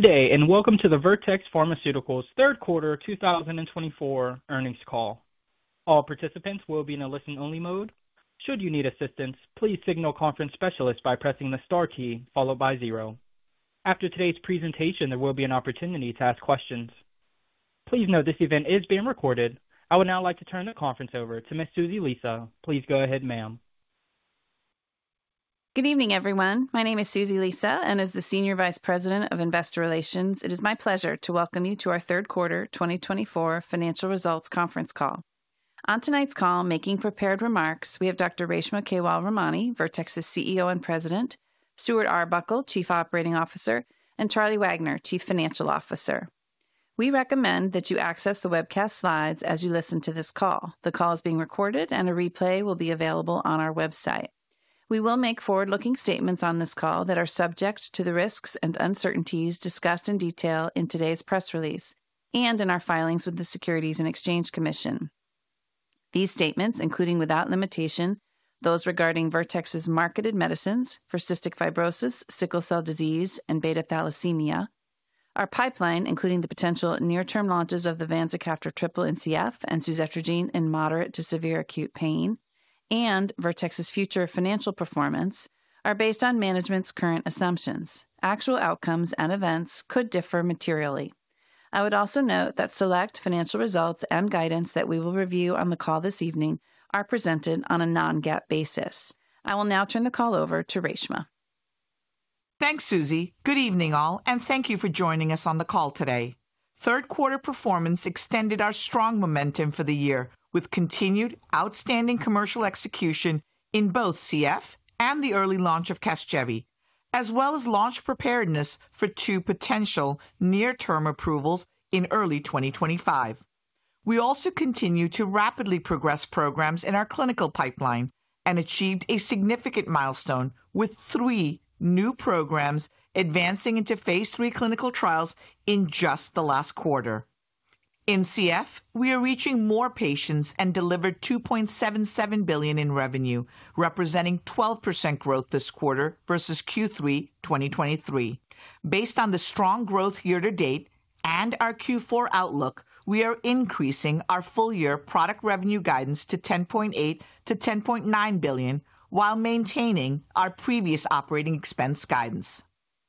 Good day, and welcome to the Vertex Pharmaceuticals' third quarter 2024 earnings call. All participants will be in a listen-only mode. Should you need assistance, please signal conference specialists by pressing the star key followed by zero. After today's presentation, there will be an opportunity to ask questions. Please note this event is being recorded. I would now like to turn the conference over to Ms. Susie Lisa. Please go ahead, ma'am. Good evening, everyone. My name is Susie Lisa, and as the Senior Vice President of Investor Relations, it is my pleasure to welcome you to our third quarter 2024 financial results conference call. On tonight's call, making prepared remarks, we have Dr. Reshma Kewalramani, Vertex's CEO and President, Stuart Arbuckle, Chief Operating Officer, and Charlie Wagner, Chief Financial Officer. We recommend that you access the webcast slides as you listen to this call. The call is being recorded, and a replay will be available on our website. We will make forward-looking statements on this call that are subject to the risks and uncertainties discussed in detail in today's press release and in our filings with the Securities and Exchange Commission. These statements, including without limitation, those regarding Vertex's marketed medicines for cystic fibrosis, sickle cell disease, and beta thalassemia, our pipeline, including the potential near-term launches of the Vanzacaftor triple for CF and suzetrigine in moderate to severe acute pain, and Vertex's future financial performance, are based on management's current assumptions. Actual outcomes and events could differ materially. I would also note that select financial results and guidance that we will review on the call this evening are presented on a non-GAAP basis. I will now turn the call over to Reshma. Thanks, Susie. Good evening, all, and thank you for joining us on the call today. Third quarter performance extended our strong momentum for the year with continued outstanding commercial execution in both CF and the early launch of Casgevy, as well as launch preparedness for two potential near-term approvals in early 2025. We also continue to rapidly progress programs in our clinical pipeline and achieved a significant milestone with three new programs advancing into Phase 3 clinical trials in just the last quarter. In CF, we are reaching more patients and delivered $2.77 billion in revenue, representing 12% growth this quarter versus Q3 2023. Based on the strong growth year-to-date and our Q4 outlook, we are increasing our full-year product revenue guidance to $10.8-$10.9 billion while maintaining our previous operating expense guidance.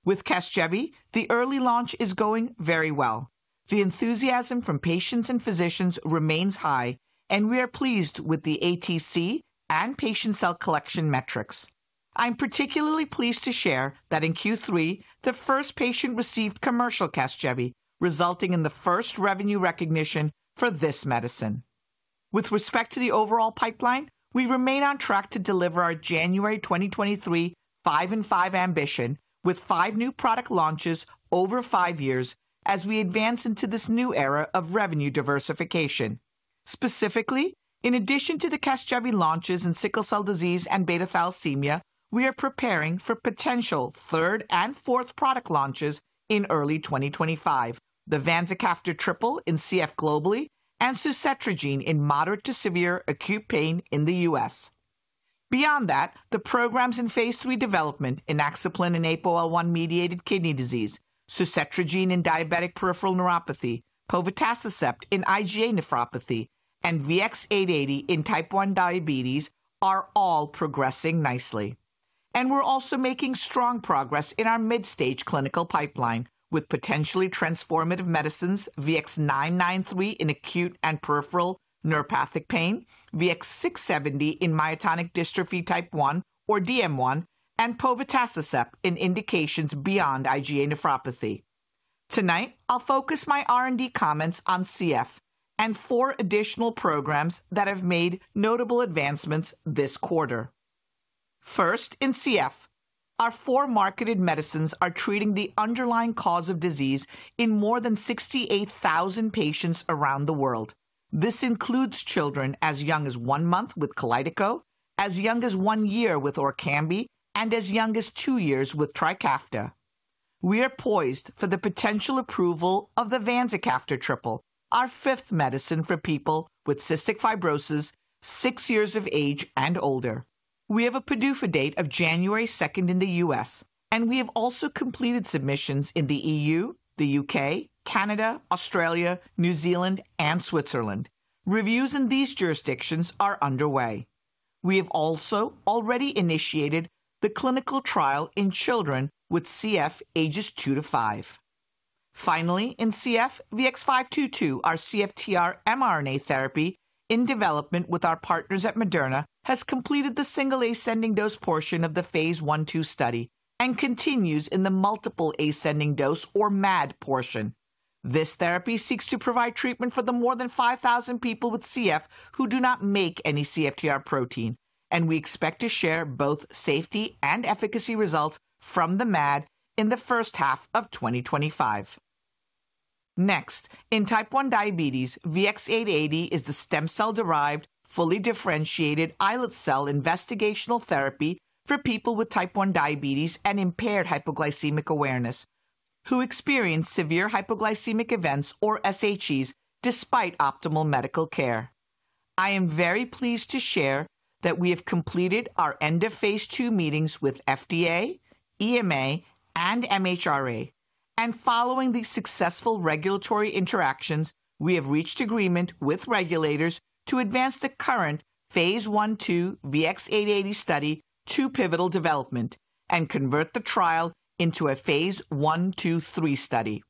With Casgevy, the early launch is going very well. The enthusiasm from patients and physicians remains high, and we are pleased with the ATC and patient cell collection metrics. I'm particularly pleased to share that in Q3, the first patient received commercial Casgevy, resulting in the first revenue recognition for this medicine. With respect to the overall pipeline, we remain on track to deliver our January 2023 five-in-five ambition with five new product launches over five years as we advance into this new era of revenue diversification. Specifically, in addition to the Casgevy launches in sickle cell disease and beta thalassemia, we are preparing for potential third and fourth product launches in early 2025: the Vanzacaftor triple in CF globally and suzetrigine in moderate to severe acute pain in the U.S. Beyond that, the programs in Phase 3 development in inaxaplin and APOL1-mediated kidney disease, suzetrigine in diabetic peripheral neuropathy, Povetacicept in IgA nephropathy, and VX-880 in type 1 diabetes are all progressing nicely. And we're also making strong progress in our mid-stage clinical pipeline with potentially transformative medicines VX-993 in acute and peripheral neuropathic pain, VX-670 in myotonic dystrophy type 1 or DM1, and Povetacicept in indications beyond IgA nephropathy. Tonight, I'll focus my R&D comments on CF and four additional programs that have made notable advancements this quarter. First, in CF, our four marketed medicines are treating the underlying cause of disease in more than 68,000 patients around the world. This includes children as young as one month with Kalydeco, as young as one year with Orkambi, and as young as two years with Trikafta. We are poised for the potential approval of the Vanzacaftor triple, our fifth medicine for people with cystic fibrosis, six years of age and older. We have a PDUFA date of January 2nd in the U.S., and we have also completed submissions in the EU, the U.K., Canada, Australia, New Zealand, and Switzerland. Reviews in these jurisdictions are underway. We have also already initiated the clinical trial in children with CF ages two to five. Finally, in CF, VX-522, our CFTR mRNA therapy in development with our partners at Moderna, has completed the single ascending dose portion of the Phase 1-2 study and continues in the multiple ascending dose or MAD portion. This therapy seeks to provide treatment for the more than 5,000 people with CF who do not make any CFTR protein, and we expect to share both safety and efficacy results from the MAD in the first half of 2025. Next, in type 1 diabetes, VX-880 is the stem cell-derived, fully differentiated islet cell investigational therapy for people with type 1 diabetes and impaired hypoglycemic awareness who experience severe hypoglycemic events or SHEs despite optimal medical care. I am very pleased to share that we have completed our end of Phase 2 meetings with FDA, EMA, and MHRA, and following the successful regulatory interactions, we have reached agreement with regulators to advance the current Phase 1-2 VX-880 study to pivotal development and convert the trial into a Phase 1-2-3 study.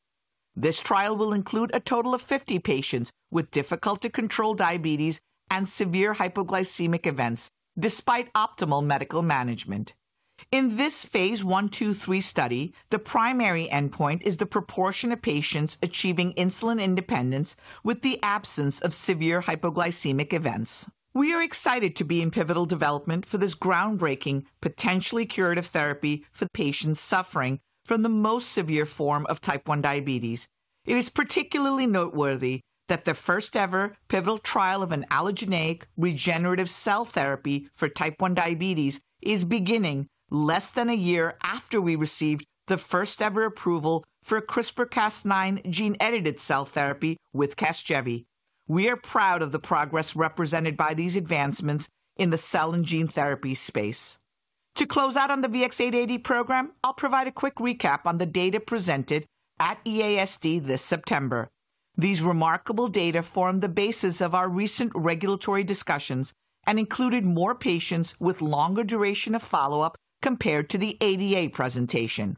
This trial will include a total of 50 patients with difficult-to-control diabetes and severe hypoglycemic events despite optimal medical management. In this Phase 1-2-3 study, the primary endpoint is the proportion of patients achieving insulin independence with the absence of severe hypoglycemic events. We are excited to be in pivotal development for this groundbreaking, potentially curative therapy for patients suffering from the most severe form of type 1 diabetes. It is particularly noteworthy that the first-ever pivotal trial of an allogeneic regenerative cell therapy for type 1 diabetes is beginning less than a year after we received the first-ever approval for CRISPR-Cas9 gene-edited cell therapy with Casgevy. We are proud of the progress represented by these advancements in the cell and gene therapy space. To close out on the VX-880 program, I'll provide a quick recap on the data presented at EASD this September. These remarkable data formed the basis of our recent regulatory discussions and included more patients with longer duration of follow-up compared to the ADA presentation.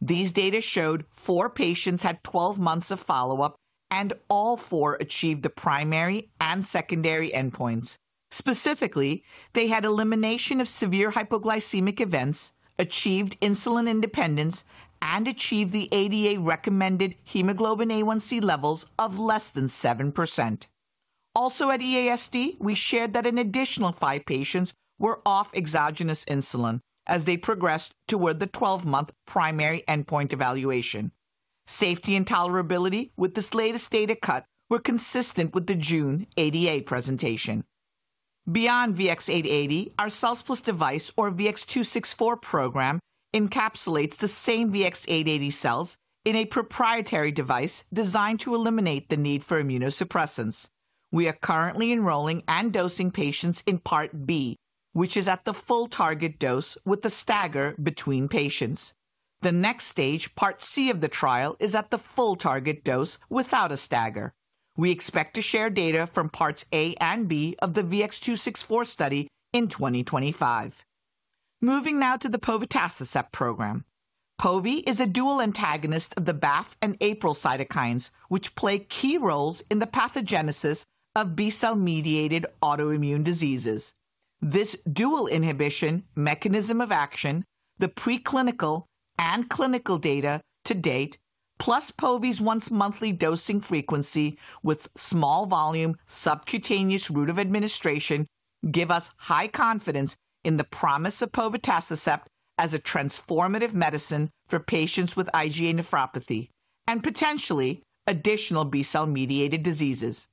These data showed four patients had 12 months of follow-up, and all four achieved the primary and secondary endpoints. Specifically, they had elimination of severe hypoglycemic events, achieved insulin independence, and achieved the ADA-recommended hemoglobin A1c levels of less than 7%. Also, at EASD, we shared that an additional five patients were off exogenous insulin as they progressed toward the 12-month primary endpoint evaluation. Safety and tolerability with this latest data cut were consistent with the June ADA presentation. Beyond VX-880, our cell-device or VX-264 program encapsulates the same VX-880 cells in a proprietary device designed to eliminate the need for immunosuppressants. We are currently enrolling and dosing patients in part B, which is at the full target dose with a stagger between patients. The next stage, part C of the trial, is at the full target dose without a stagger; we expect to share data from parts A and B of the VX-264 study in 2025. Moving now to the Povetacicept program. Pov is a dual antagonist of the BAFF and APRIL cytokines, which play key roles in the pathogenesis of B-cell-mediated autoimmune diseases. This dual inhibition mechanism of action, the preclinical and clinical data to date, plus Pov's once-monthly dosing frequency with small-volume subcutaneous route of administration, give us high confidence in the promise of Povetacicept as a transformative medicine for patients with IgA Nephropathy and potentially additional B-cell-mediated diseases.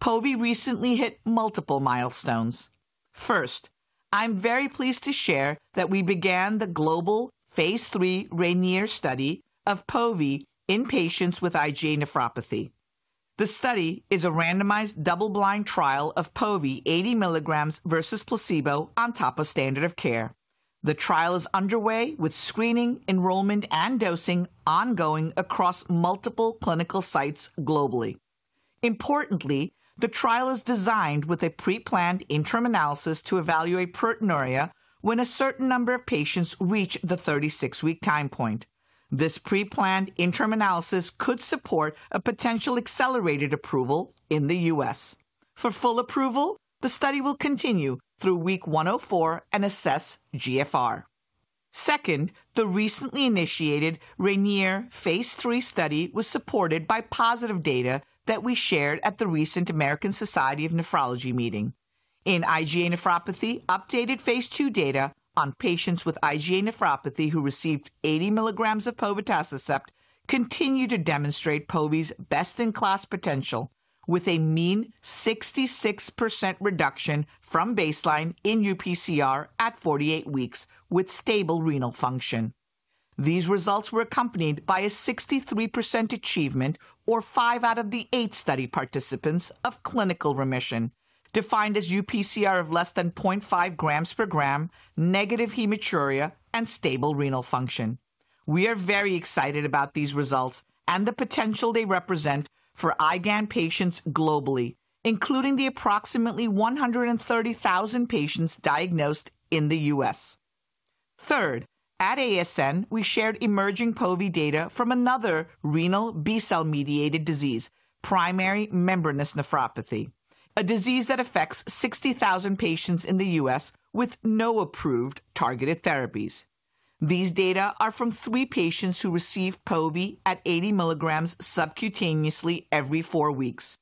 Pov recently hit multiple milestones. First, I'm very pleased to share that we began the global Phase 3 RANIER study of Pov in patients with IgA Nephropathy. The study is a randomized double-blind trial of Povetacicept 80 milligrams versus placebo on top of standard of care. The trial is underway with screening, enrollment, and dosing ongoing across multiple clinical sites globally. Importantly, the trial is designed with a pre-planned interim analysis to evaluate proteinuria when a certain number of patients reach the 36-week time point. This pre-planned interim analysis could support a potential accelerated approval in the U.S. For full approval, the study will continue through week 104 and assess GFR. Second, the recently initiated RAASIN Phase 3 study was supported by positive data that we shared at the recent American Society of Nephrology meeting. In IgA Nephropathy, updated Phase 2 data on patients with IgA Nephropathy who received 80 milligrams of Povetacicept continue to demonstrate Povetacicept's best-in-class potential with a mean 66% reduction from baseline in UPCR at 48 weeks with stable renal function. These results were accompanied by a 63% achievement, or five out of the eight study participants, of clinical remission, defined as UPCR of less than 0.5 grams per gram, negative hematuria, and stable renal function. We are very excited about these results and the potential they represent for IgAN patients globally, including the approximately 130,000 patients diagnosed in the U.S. Third, at ASN, we shared emerging Pov data from another renal B-cell-mediated disease, primary membranous nephropathy, a disease that affects 60,000 patients in the U.S. with no approved targeted therapies. These data are from three patients who received Pov at 80 milligrams subcutaneously every four weeks.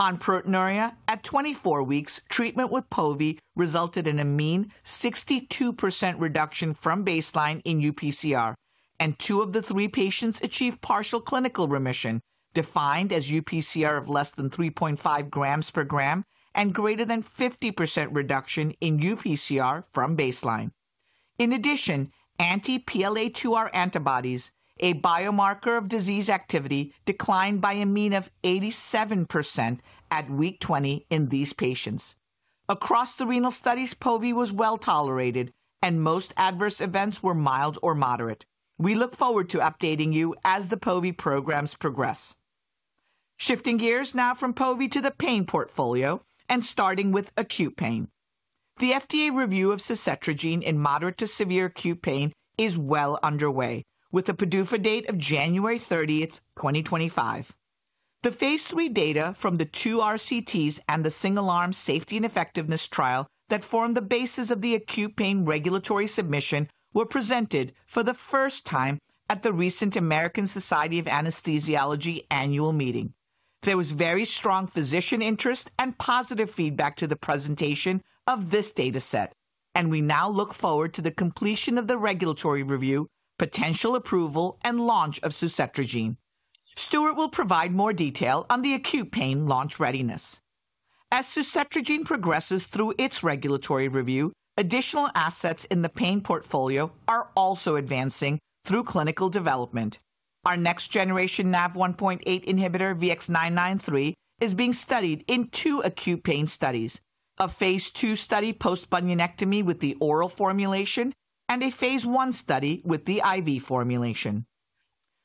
On proteinuria, at 24 weeks, treatment with Pov resulted in a mean 62% reduction from baseline in UPCR, and two of the three patients achieved partial clinical remission, defined as UPCR of less than 3.5 grams per gram and greater than 50% reduction in UPCR from baseline. In addition, anti-PLA2R antibodies, a biomarker of disease activity, declined by a mean of 87% at week 20 in these patients. Across the renal studies, Pov was well tolerated, and most adverse events were mild or moderate. We look forward to updating you as the Pov programs progress. Shifting gears now from Pov to the pain portfolio and starting with acute pain. The FDA review of suzetrigine in moderate to severe acute pain is well underway, with a PDUFA date of January 30th, 2025. The Phase 3 data from the two RCTs and the single-arm safety and effectiveness trial that formed the basis of the acute pain regulatory submission were presented for the first time at the recent American Society of Anesthesiologists annual meeting. There was very strong physician interest and positive feedback to the presentation of this data set, and we now look forward to the completion of the regulatory review, potential approval, and launch of suzetrigine. Stuart will provide more detail on the acute pain launch readiness. As suzetrigine progresses through its regulatory review, additional assets in the pain portfolio are also advancing through clinical development. Our next-generation NaV1.8 inhibitor VX-993 is being studied in two acute pain studies: a Phase 2 study post-bunionectomy with the oral formulation and a Phase 1 study with the IV formulation.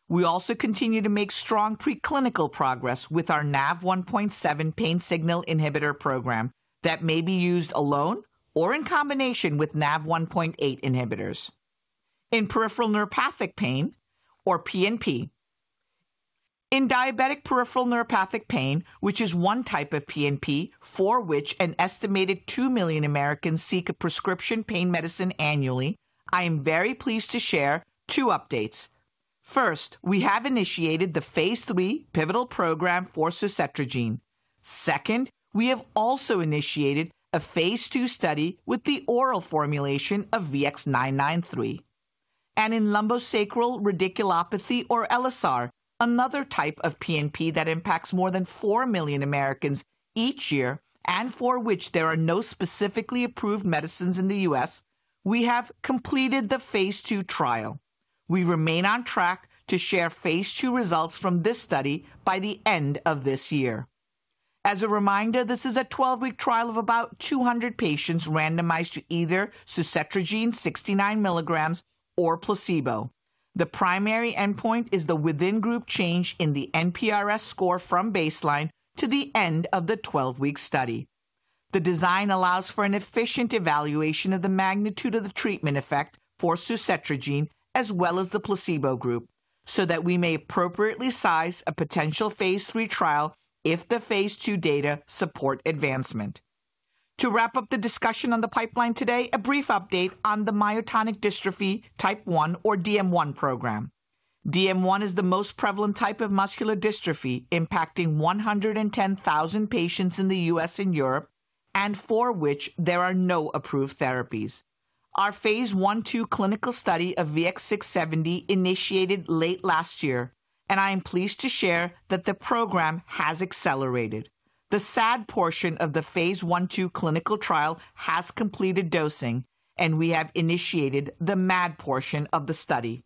We also continue to make strong preclinical progress with our NaV1.7 pain signal inhibitor program that may be used alone or in combination with NaV1.8 inhibitors in peripheral neuropathic pain, or PNP. In diabetic peripheral neuropathy, which is one type of PNP for which an estimated 2 million Americans seek a prescription pain medicine annually, I am very pleased to share two updates. First, we have initiated the Phase 3 pivotal program for suzetrigine. Second, we have also initiated a Phase 2 study with the oral formulation of VX-993. In lumbosacral radiculopathy, or LSR, another type of PNP that impacts more than 4 million Americans each year and for which there are no specifically approved medicines in the U.S., we have completed the Phase 2 trial. We remain on track to share Phase 2 results from this study by the end of this year. As a reminder, this is a 12-week trial of about 200 patients randomized to either suzetrigine 69 milligrams or placebo. The primary endpoint is the within group change in the NPRS score from baseline to the end of the 12-week study. The design allows for an efficient evaluation of the magnitude of the treatment effect for suzetrigine as well as the placebo group, so that we may appropriately size a potential Phase 3 trial if the Phase 2 data support advancement. To wrap up the discussion on the pipeline today, a brief update on the myotonic dystrophy type 1, or DM1, program. DM1 is the most prevalent type of muscular dystrophy impacting 110,000 patients in the U.S. and Europe, and for which there are no approved therapies. Our phase one-two clinical study of VX-670 initiated late last year, and I am pleased to share that the program has accelerated. The SAD portion of the phase one-two clinical trial has completed dosing, and we have initiated the MAD portion of the study.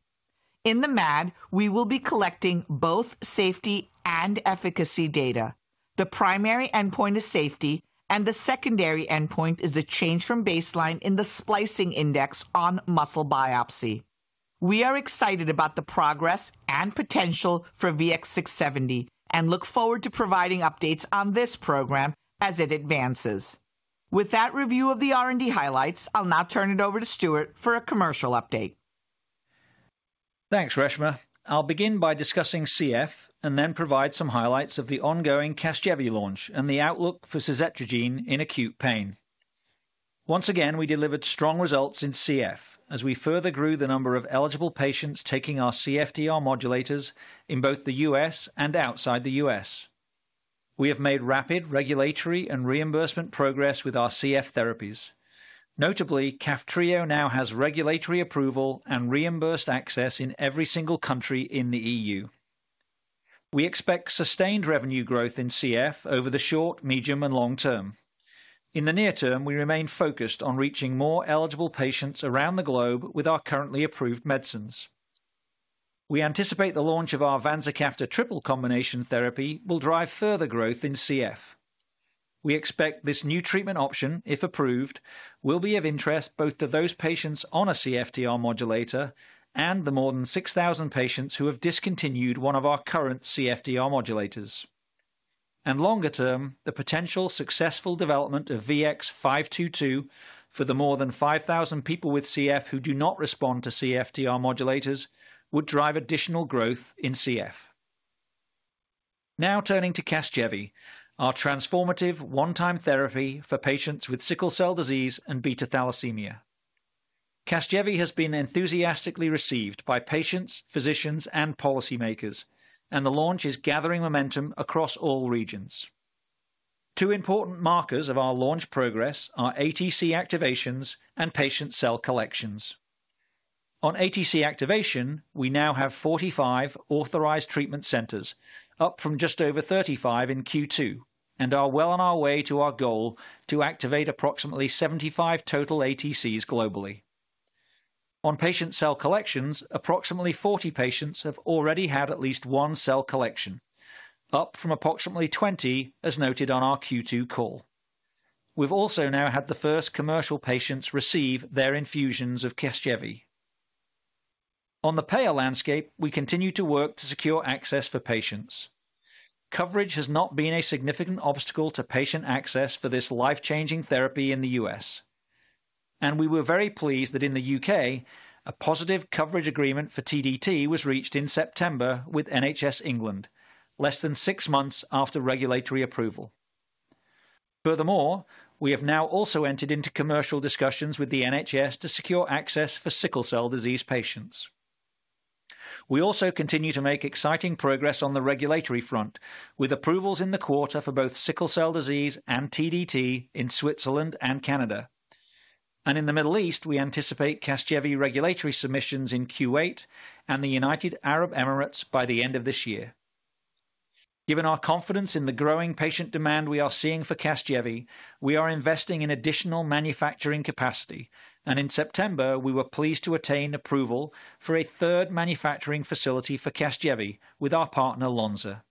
In the MAD, we will be collecting both safety and efficacy data. The primary endpoint is safety, and the secondary endpoint is a change from baseline in the splicing index on muscle biopsy. We are excited about the progress and potential for VX-670 and look forward to providing updates on this program as it advances. With that review of the R&D highlights, I'll now turn it over to Stuart for a commercial update. Thanks, Reshma. I'll begin by discussing CF and then provide some highlights of the ongoing Casgevy launch and the outlook for suzetrigine in acute pain. Once again, we delivered strong results in CF as we further grew the number of eligible patients taking our CFTR modulators in both the U.S. and outside the U.S. We have made rapid regulatory and reimbursement progress with our CF therapies. Notably, Kaftrio now has regulatory approval and reimbursed access in every single country in the EU. We expect sustained revenue growth in CF over the short, medium, and long term. In the near term, we remain focused on reaching more eligible patients around the globe with our currently approved medicines. We anticipate the launch of our Vanzacaftor triple combination therapy will drive further growth in CF. We expect this new treatment option, if approved, will be of interest both to those patients on a CFTR modulator and the more than 6,000 patients who have discontinued one of our current CFTR modulators. Longer term, the potential successful development of VX-522 for the more than 5,000 people with CF who do not respond to CFTR modulators would drive additional growth in CF. Now turning to Casgevy, our transformative one-time therapy for patients with sickle cell disease and beta thalassemia. Casgevy has been enthusiastically received by patients, physicians, and policymakers, and the launch is gathering momentum across all regions. Two important markers of our launch progress are ATC activations and patient cell collections. On ATC activation, we now have 45 authorized treatment centers, up from just over 35 in Q2, and are well on our way to our goal to activate approximately 75 total ATCs globally. On patient cell collections, approximately 40 patients have already had at least one cell collection, up from approximately 20 as noted on our Q2 call. We've also now had the first commercial patients receive their infusions of Casgevy. On the payer landscape, we continue to work to secure access for patients. Coverage has not been a significant obstacle to patient access for this life-changing therapy in the U.S., and we were very pleased that in the U.K., a positive coverage agreement for TDT was reached in September with NHS England, less than six months after regulatory approval. Furthermore, we have now also entered into commercial discussions with the NHS to secure access for sickle cell disease patients. We also continue to make exciting progress on the regulatory front, with approvals in the quarter for both sickle cell disease and TDT in Switzerland and Canada, and in the Middle East, we anticipate Casgevy regulatory submissions in Kuwait and the United Arab Emirates by the end of this year. Given our confidence in the growing patient demand we are seeing for Casgevy, we are investing in additional manufacturing capacity, and in September, we were pleased to attain approval for a third manufacturing facility for Casgevy with our partner Lonza.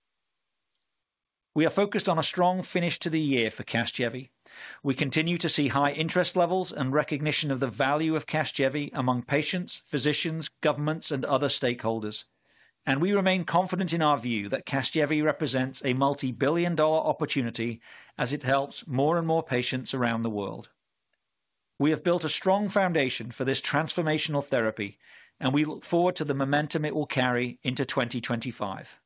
We are focused on a strong finish to the year for Casgevy. We continue to see high interest levels and recognition of the value of Casgevy among patients, physicians, governments, and other stakeholders, and we remain confident in our view that Casgevy represents a multi-billion dollar opportunity as it helps more and more patients around the world. We have built a strong foundation for this transformational therapy, and we look forward to the momentum it will carry into 2025.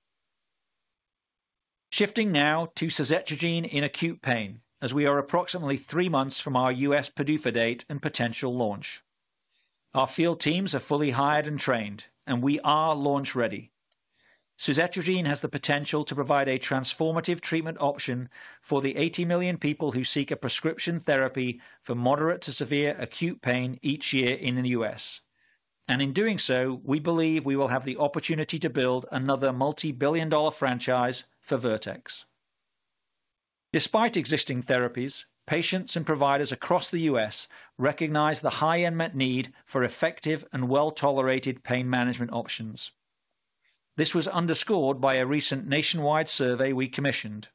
Shifting now to suzetrigine in acute pain, as we are approximately three months from our U.S. PDUFA date and potential launch. Our field teams are fully hired and trained, and we are launch ready. Suzetrigine has the potential to provide a transformative treatment option for the 80 million people who seek a prescription therapy for moderate to severe acute pain each year in the U.S., and in doing so, we believe we will have the opportunity to build another multi-billion dollar franchise for Vertex. Despite existing therapies, patients and providers across the U.S. recognize the high unmet need for effective and well-tolerated pain management options. This was underscored by a recent nationwide survey we commissioned.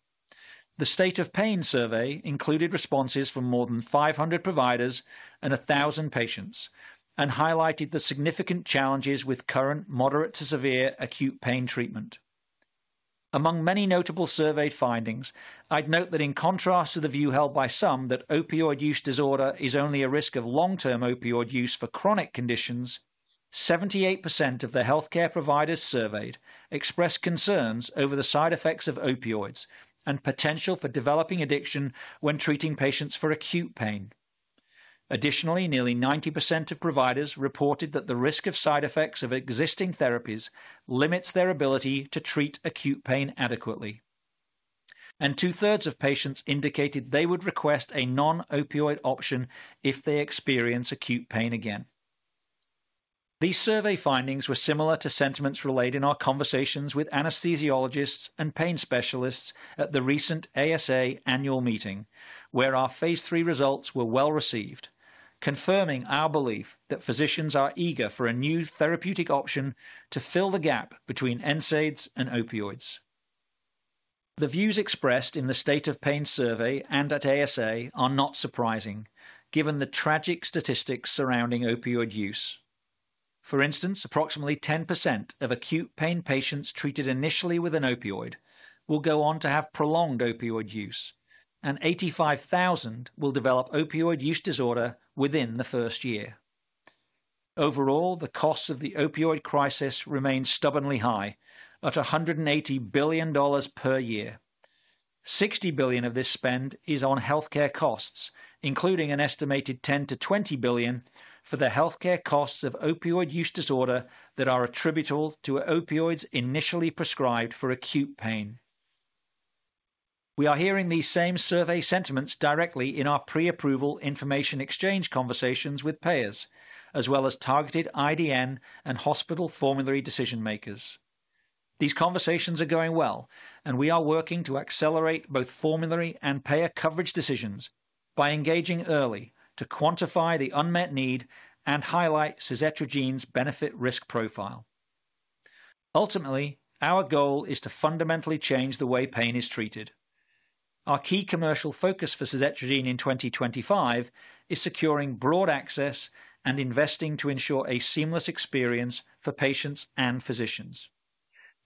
The State of Pain survey included responses from more than 500 providers and 1,000 patients and highlighted the significant challenges with current moderate to severe acute pain treatment. Among many notable survey findings, I'd note that in contrast to the view held by some that opioid use disorder is only a risk of long-term opioid use for chronic conditions, 78% of the healthcare providers surveyed expressed concerns over the side effects of opioids and potential for developing addiction when treating patients for acute pain. Additionally, nearly 90% of providers reported that the risk of side effects of existing therapies limits their ability to treat acute pain adequately. And two-thirds of patients indicated they would request a non-opioid option if they experience acute pain again. These survey findings were similar to sentiments relayed in our conversations with anesthesiologists and pain specialists at the recent ASA annual meeting, where our Phase 3 results were well received, confirming our belief that physicians are eager for a new therapeutic option to fill the gap between NSAIDs and opioids. The views expressed in the state of pain survey and at ASA are not surprising, given the tragic statistics surrounding opioid use. For instance, approximately 10% of acute pain patients treated initially with an opioid will go on to have prolonged opioid use, and 85,000 will develop opioid use disorder within the first year. Overall, the costs of the opioid crisis remain stubbornly high, at $180 billion per year. $60 billion of this spend is on healthcare costs, including an estimated $10 billion-$20 billion for the healthcare costs of opioid use disorder that are attributable to opioids initially prescribed for acute pain. We are hearing these same survey sentiments directly in our pre-approval information exchange conversations with payers, as well as targeted IDN and hospital formulary decision-makers. These conversations are going well, and we are working to accelerate both formulary and payer coverage decisions by engaging early to quantify the unmet need and highlight suzetrigine's benefit-risk profile. Ultimately, our goal is to fundamentally change the way pain is treated. Our key commercial focus for suzetrigine in 2025 is securing broad access and investing to ensure a seamless experience for patients and physicians.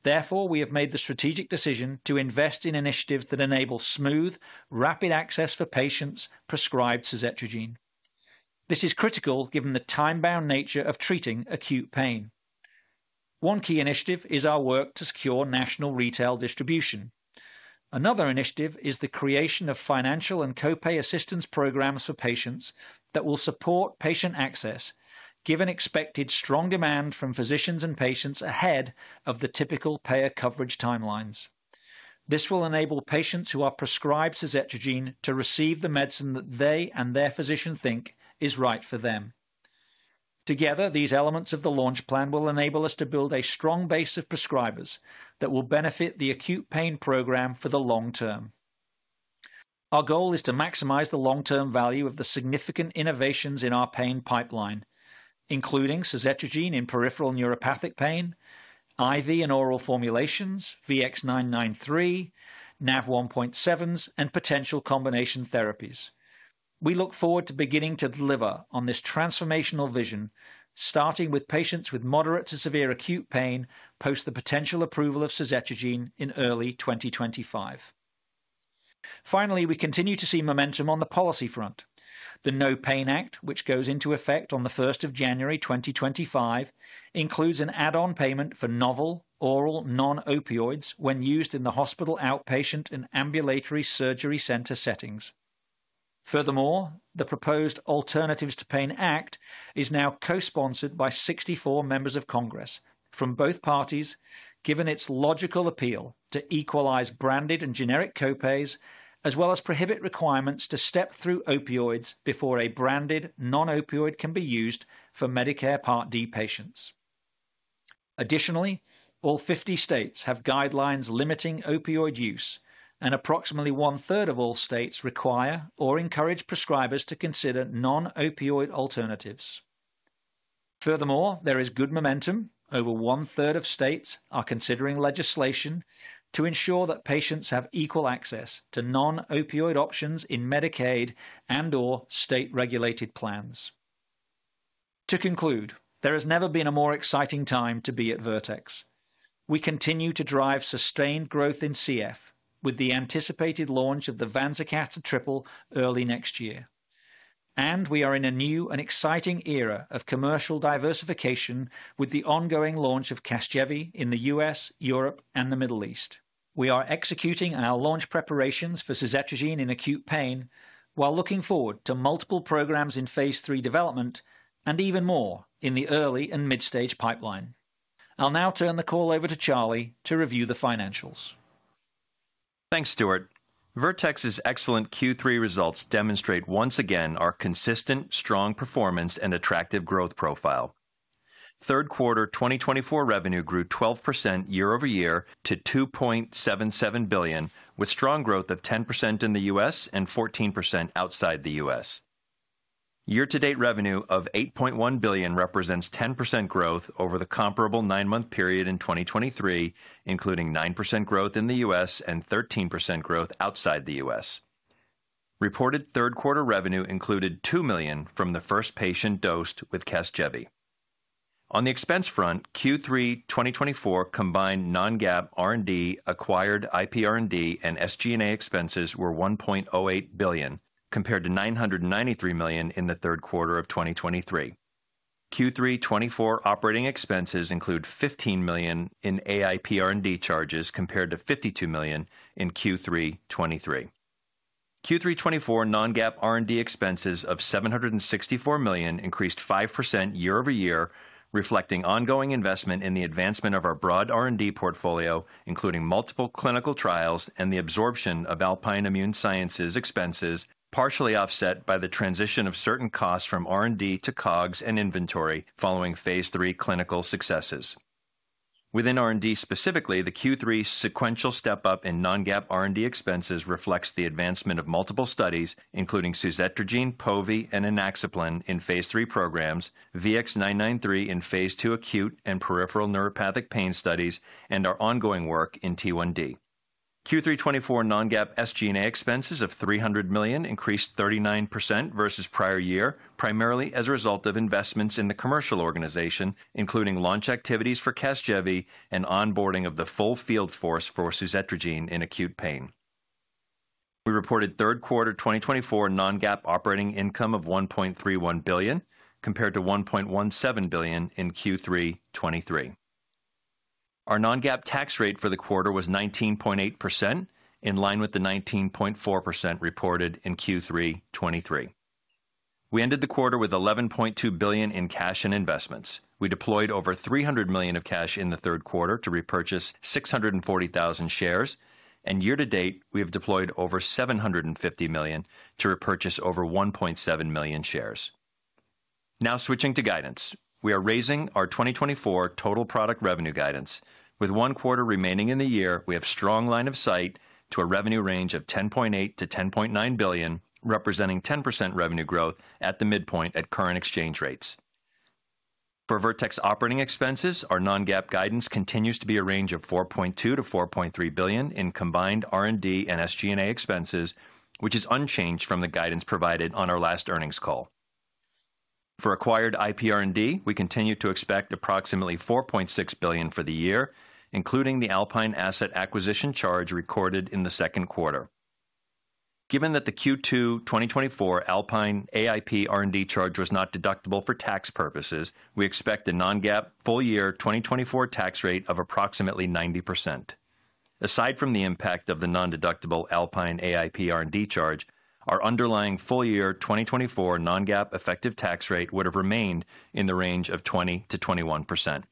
Therefore, we have made the strategic decision to invest in initiatives that enable smooth, rapid access for patients prescribed suzetrigine. This is critical given the time-bound nature of treating acute pain. One key initiative is our work to secure national retail distribution. Another initiative is the creation of financial and copay assistance programs for patients that will support patient access, given expected strong demand from physicians and patients ahead of the typical payer coverage timelines. This will enable patients who are prescribed suzetrigine to receive the medicine that they and their physician think is right for them. Together, these elements of the launch plan will enable us to build a strong base of prescribers that will benefit the acute pain program for the long term. Our goal is to maximize the long-term value of the significant innovations in our pain pipeline, including suzetrigine in peripheral neuropathic pain, IV and oral formulations, VX-993, NaV1.7s, and potential combination therapies. We look forward to beginning to deliver on this transformational vision, starting with patients with moderate to severe acute pain post the potential approval of suzetrigine in early 2025. Finally, we continue to see momentum on the policy front. The No Pain Act, which goes into effect on the 1st of January 2025, includes an add-on payment for novel oral non-opioids when used in the hospital outpatient and ambulatory surgery center settings. Furthermore, the proposed Alternatives to Pain Act is now co-sponsored by 64 members of Congress from both parties, given its logical appeal to equalize branded and generic copays, as well as prohibit requirements to step through opioids before a branded non-opioid can be used for Medicare Part D patients. Additionally, all 50 states have guidelines limiting opioid use, and approximately one-third of all states require or encourage prescribers to consider non-opioid alternatives. Furthermore, there is good momentum. Over one-third of states are considering legislation to ensure that patients have equal access to non-opioid options in Medicaid and/or state-regulated plans. To conclude, there has never been a more exciting time to be at Vertex. We continue to drive sustained growth in CF with the anticipated launch of the Vanzacaftor triple early next year. We are in a new and exciting era of commercial diversification with the ongoing launch of Casgevy in the U.S., Europe, and the Middle East. We are executing our launch preparations for suzetrigine in acute pain while looking forward to multiple programs in Phase 3 development and even more in the early and mid-stage pipeline. I'll now turn the call over to Charlie to review the financials. Thanks, Stuart. Vertex's excellent Q3 results demonstrate once again our consistent, strong performance and attractive growth profile. Third quarter 2024 revenue grew 12% year-over-year to $2.77 billion, with strong growth of 10% in the U.S. and 14% outside the U.S. Year-to-date revenue of $8.1 billion represents 10% growth over the comparable nine-month period in 2023, including 9% growth in the U.S. and 13% growth outside the U.S. Reported third quarter revenue included $2 million from the first patient dosed with Casgevy. On the expense front, Q3 2024 combined non-GAAP R&D, acquired IP R&D, and SG&A expenses were $1.08 billion, compared to $993 million in the third quarter of 2023. Q3 24 operating expenses include $15 million in acquired IP R&D charges, compared to $52 million in Q3 23. Q3 24 non-GAAP R&D expenses of $764 million increased 5% year-over-year, reflecting ongoing investment in the advancement of our broad R&D portfolio, including multiple clinical trials and the absorption of Alpine Immune Sciences expenses, partially offset by the transition of certain costs from R&D to COGS and inventory following Phase 3 clinical successes. Within R&D specifically, the Q3 sequential step-up in non-GAAP R&D expenses reflects the advancement of multiple studies, including suzetrigine, Povetacicept, and inaxaplin in Phase 3 programs, VX-993 in Phase 2 acute and peripheral neuropathic pain studies, and our ongoing work in T1D. Q3 2024 non-GAAP SG&A expenses of $300 million increased 39% versus prior year, primarily as a result of investments in the commercial organization, including launch activities for Casgevy and onboarding of the full field force for suzetrigine in acute pain. We reported third quarter 2024 non-GAAP operating income of $1.31 billion, compared to $1.17 billion in Q3 2023. Our non-GAAP tax rate for the quarter was 19.8%, in line with the 19.4% reported in Q3 2023. We ended the quarter with $11.2 billion in cash and investments. We deployed over $300 million of cash in the third quarter to repurchase 640,000 shares, and year-to-date we have deployed over $750 million to repurchase over 1.7 million shares. Now switching to guidance, we are raising our 2024 total product revenue guidance. With one quarter remaining in the year, we have a strong line of sight to a revenue range of $10.8 billion-$10.9 billion, representing 10% revenue growth at the midpoint at current exchange rates. For Vertex operating expenses, our non-GAAP guidance continues to be a range of $4.2 billion-$4.3 billion in combined R&D and SG&A expenses, which is unchanged from the guidance provided on our last earnings call. For acquired IP R&D, we continue to expect approximately $4.6 billion for the year, including the Alpine asset acquisition charge recorded in the second quarter. Given that the Q2 2024 Alpine AIP R&D charge was not deductible for tax purposes, we expect a non-GAAP full year 2024 tax rate of approximately 90%. Aside from the impact of the non-deductible Alpine AIP R&D charge, our underlying full year 2024 non-GAAP effective tax rate would have remained in the range of 20%-21%.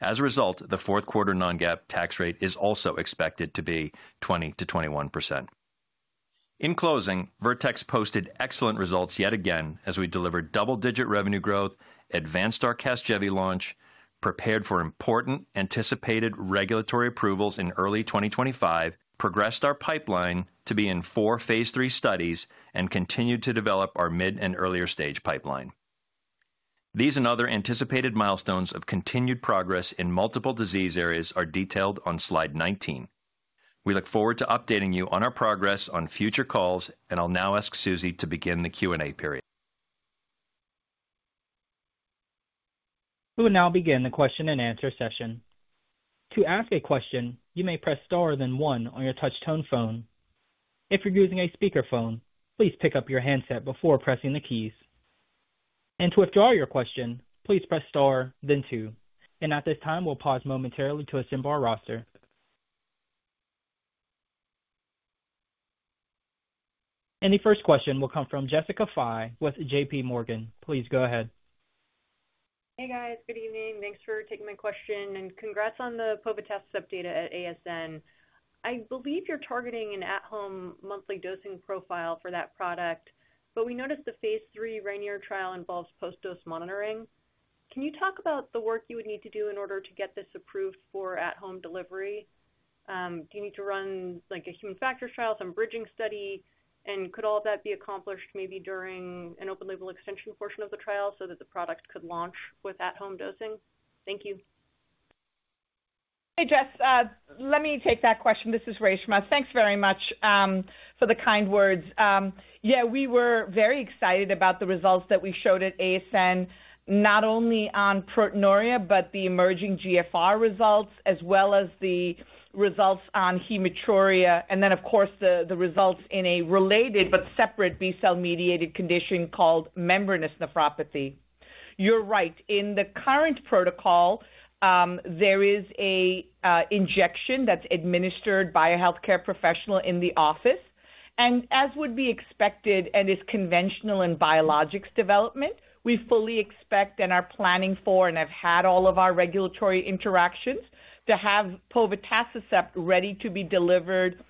As a result, the fourth quarter non-GAAP tax rate is also expected to be 20%-21%. In closing, Vertex posted excellent results yet again as we delivered double-digit revenue growth, advanced our Casgevy launch, prepared for important anticipated regulatory approvals in early 2025, progressed our pipeline to be in four Phase 3 studies, and continued to develop our mid and earlier stage pipeline. These and other anticipated milestones of continued progress in multiple disease areas are detailed on slide 19. We look forward to updating you on our progress on future calls, and I'll now ask Susie to begin the Q&A period. We will now begin the question and answer session. To ask a question, you may press star then one on your touch-tone phone. If you're using a speakerphone, please pick up your handset before pressing the keys. And to withdraw your question, please press star then two. And at this time, we'll pause momentarily to assemble our roster. And the first question will come from Jessica Fye with JPMorgan. Please go ahead. Hey, guys. Good evening. Thanks for taking my question. And congrats on the povetacicept updates at ASN. I believe you're targeting an at-home monthly dosing profile for that product, but we noticed the Phase 3 RAINIER trial involves post-dose monitoring. Can you talk about the work you would need to do in order to get this approved for at-home delivery? Do you need to run a human factors trial, some bridging study? And could all of that be accomplished maybe during an open label extension portion of the trial so that the product could launch with at-home dosing? Thank you. Hey, Jess. Let me take that question. This is Reshma. Thanks very much for the kind words. Yeah, we were very excited about the results that we showed at ASN, not only on proteinuria, but the emerging GFR results, as well as the results on hematuria, and then, of course, the results in a related but separate B-cell mediated condition called membranous nephropathy. You're right. In the current protocol, there is an injection that's administered by a healthcare professional in the office. And as would be expected and is conventional in biologics development, we fully expect and are planning for and have had all of our regulatory interactions to have povetacicept ready to be delivered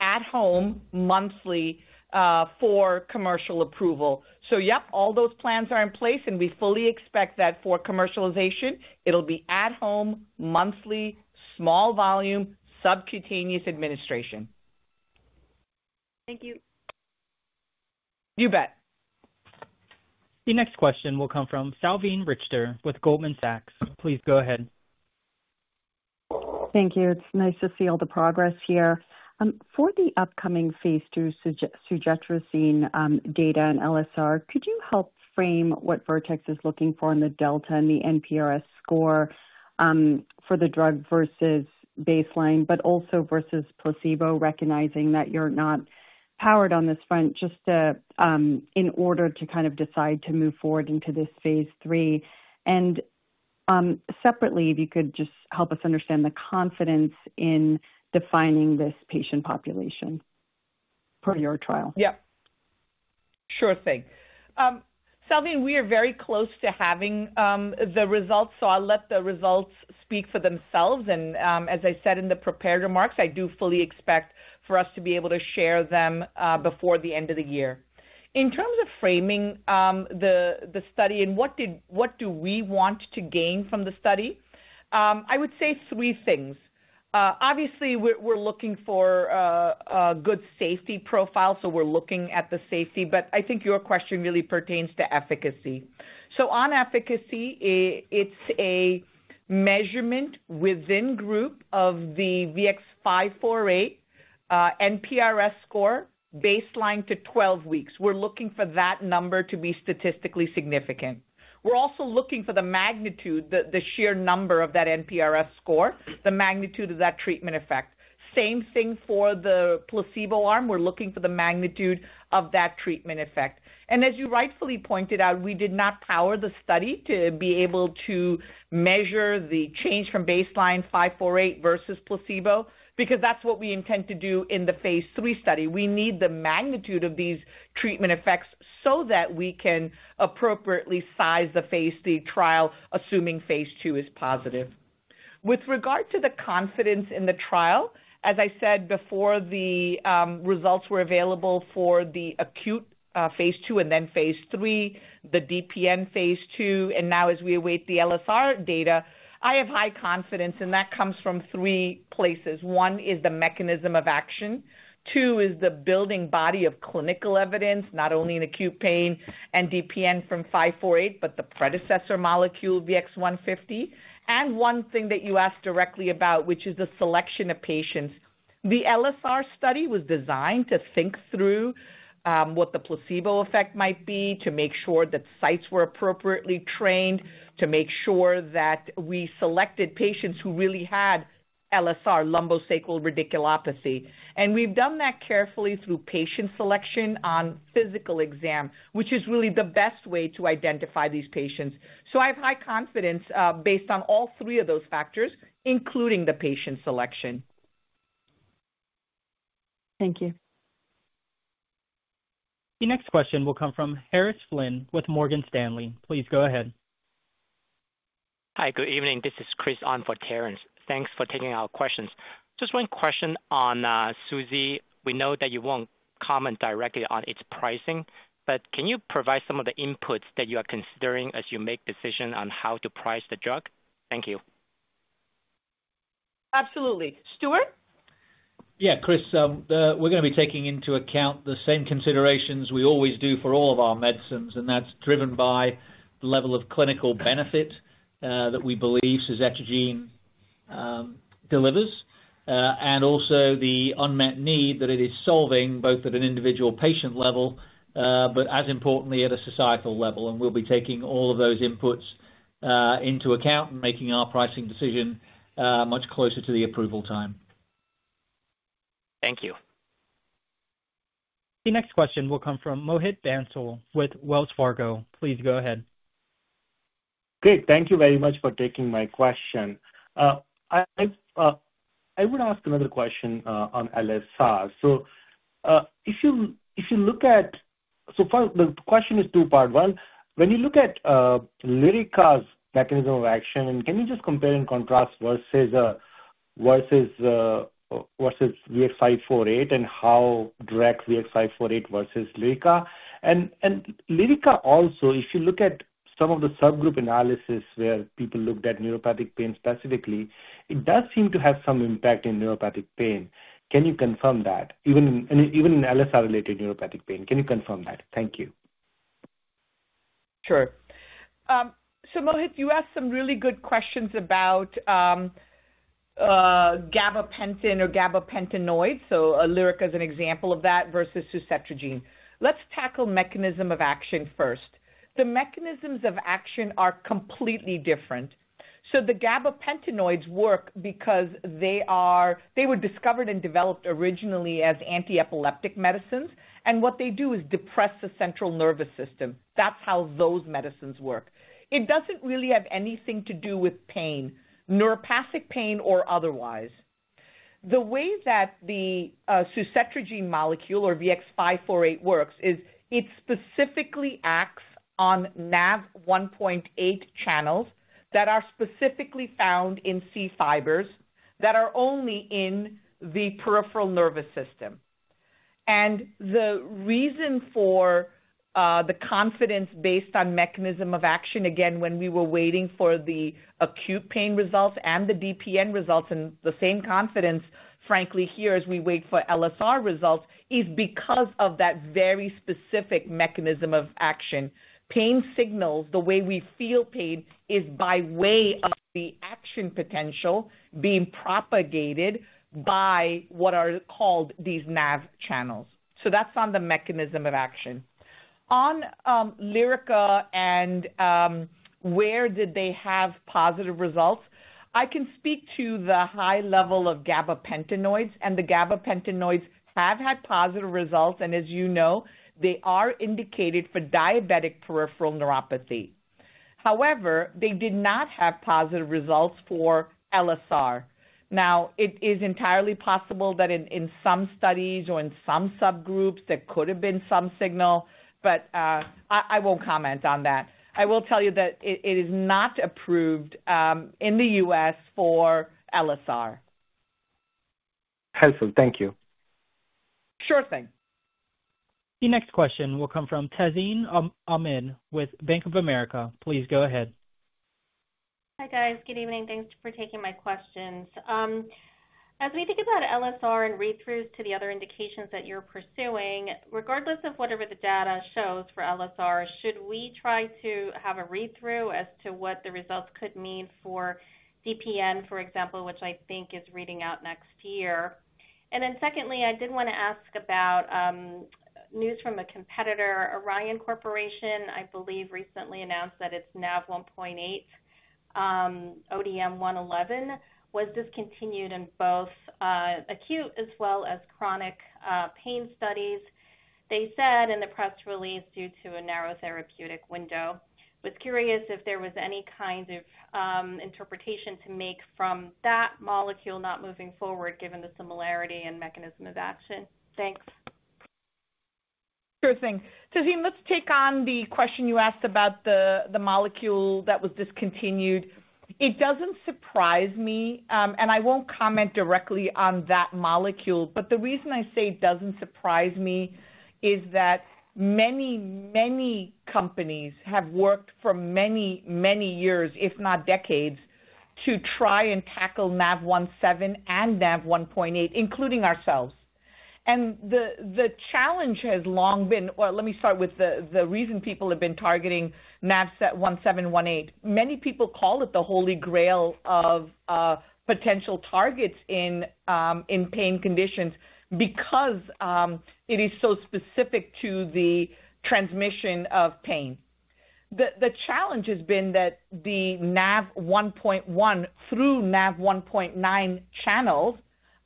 at home monthly for commercial approval. So yep, all those plans are in place, and we fully expect that for commercialization, it'll be at home monthly, small volume, subcutaneous administration. Thank you. You bet. The next question will come from Salveen Richter with Goldman Sachs. Please go ahead. Thank you. It's nice to see all the progress here. For the upcoming Phase 3 suzetrigine data and LSR, could you help frame what Vertex is looking for in the delta and the NPRS score for the drug versus baseline, but also versus placebo, recognizing that you're not powered on this front just in order to kind of decide to move forward into this Phase 3? Separately, if you could just help us understand the confidence in defining this patient population for your trial. Yep. Sure thing. Salveen, we are very close to having the results, so I'll let the results speak for themselves. As I said in the prepared remarks, I do fully expect for us to be able to share them before the end of the year. In terms of framing the study and what do we want to gain from the study, I would say three things. Obviously, we're looking for a good safety profile, so we're looking at the safety, but I think your question really pertains to efficacy. On efficacy, it's a measurement within group of the VX-548 NPRS score baseline to 12 weeks. We're looking for that number to be statistically significant. We're also looking for the magnitude, the sheer number of that NPRS score, the magnitude of that treatment effect. Same thing for the placebo arm. We're looking for the magnitude of that treatment effect. And as you rightfully pointed out, we did not power the study to be able to measure the change from baseline 548 versus placebo because that's what we intend to do in the Phase 3 study. We need the magnitude of these treatment effects so that we can appropriately size the Phase 3 trial, assuming Phase 2 is positive. With regard to the confidence in the trial, as I said before the results were available for the acute Phase 2 and then Phase 3, the DPN Phase 2, and now as we await the LSR data, I have high confidence, and that comes from three places. One is the mechanism of action. Two is the building body of clinical evidence, not only in acute pain and DPN from 548, but the predecessor molecule VX-150. And one thing that you asked directly about, which is the selection of patients. The LSR study was designed to think through what the placebo effect might be, to make sure that sites were appropriately trained, to make sure that we selected patients who really had LSR lumbosacral radiculopathy. And we've done that carefully through patient selection on physical exam, which is really the best way to identify these patients. So I have high confidence based on all three of those factors, including the patient selection. Thank you. The next question will come from Terence Flynn with Morgan Stanley. Please go ahead. Hi, good evening. This is Chris on for Terence. Thanks for taking our questions. Just one question on Susie. We know that you won't comment directly on its pricing, but can you provide some of the inputs that you are considering as you make decisions on how to price the drug? Thank you. Absolutely. Stuart? Yeah, Chris. We're going to be taking into account the same considerations we always do for all of our medicines, and that's driven by the level of clinical benefit that we believe suzetrigine delivers, and also the unmet need that it is solving both at an individual patient level, but as importantly at a societal level. And we'll be taking all of those inputs into account and making our pricing decision much closer to the approval time. Thank you. The next question will come from Mohit Bansal with Wells Fargo. Please go ahead. Great. Thank you very much for taking my question. I would ask another question on LSR. The question is two-part. Well, when you look at Lyrica's mechanism of action, and can you just compare and contrast versus VX-548 and how direct VX-548 versus Lyrica? And Lyrica also, if you look at some of the subgroup analysis where people looked at neuropathic pain specifically, it does seem to have some impact in neuropathic pain. Can you confirm that? Even in LSR-related neuropathic pain, can you confirm that? Thank you. Sure. Mohit, you asked some really good questions about gabapentin or gabapentinoids, so Lyrica is an example of that versus suzetrigine. Let's tackle mechanism of action first. The mechanisms of action are completely different. The gabapentinoids work because they were discovered and developed originally as anti-epileptic medicines, and what they do is depress the central nervous system. That's how those medicines work. It doesn't really have anything to do with pain, neuropathic pain or otherwise. The way that the suzetrigine molecule or VX-548 works is it specifically acts on NaV1.8 channels that are specifically found in C fibers that are only in the peripheral nervous system. The reason for the confidence based on mechanism of action, again, when we were waiting for the acute pain results and the DPN results and the same confidence, frankly, here as we wait for LSR results, is because of that very specific mechanism of action. Pain signals, the way we feel pain, is by way of the action potential being propagated by what are called these NaV channels. So that's on the mechanism of action. On Lyrica and where did they have positive results? I can speak to the high level of gabapentinoids, and the gabapentinoids have had positive results, and as you know, they are indicated for diabetic peripheral neuropathy. However, they did not have positive results for LSR. Now, it is entirely possible that in some studies or in some subgroups there could have been some signal, but I won't comment on that. I will tell you that it is not approved in the U.S. for LSR. Excellent. Thank you. Sure thing. The next question will come from Tazeen Ahmad with Bank of America. Please go ahead. Hi, guys. Good evening. Thanks for taking my questions. As we think about LSR and read-throughs to the other indications that you're pursuing, regardless of whatever the data shows for LSR, should we try to have a read-through as to what the results could mean for DPN, for example, which I think is reading out next year? And then secondly, I did want to ask about news from a competitor. Orion Corporation, I believe, recently announced that its NaV1.8 ODM-111 was discontinued in both acute as well as chronic pain studies. They said in the press release due to a narrow therapeutic window. I was curious if there was any kind of interpretation to make from that molecule not moving forward given the similarity and mechanism of action. Thanks. Sure thing. Tazeen, let's take on the question you asked about the molecule that was discontinued. It doesn't surprise me, and I won't comment directly on that molecule, but the reason I say it doesn't surprise me is that many, many companies have worked for many, many years, if not decades, to try and tackle NaV1.7 and NaV1.8, including ourselves. And the challenge has long been, well, let me start with the reason people have been targeting NaV1.7/1.8. Many people call it the Holy Grail of potential targets in pain conditions because it is so specific to the transmission of pain. The challenge has been that the NaV1.1 through NaV1.9 channels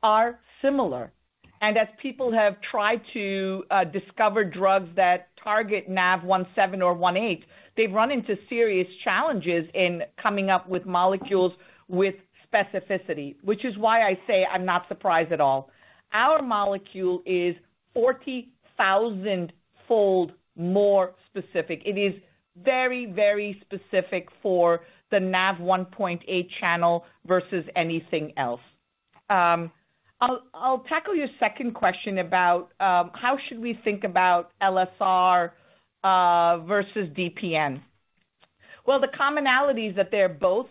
are similar. And as people have tried to discover drugs that target NaV1.7 or 1.8, they've run into serious challenges in coming up with molecules with specificity, which is why I say I'm not surprised at all. Our molecule is 40,000-fold more specific. It is very, very specific for the NaV1.8 channel versus anything else. I'll tackle your second question about how should we think about LSR versus DPN. Well, the commonality is that they're both